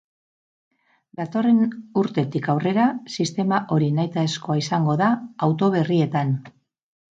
Datorren urtetik aurrera sistema hori nahitaezkoa izango da auto berrietan.